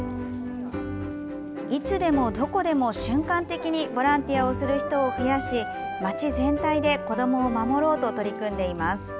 いつでも、どこでも、瞬間的にボランティアをする人を増やし街全体で子どもを守ろうと取り組んでいます。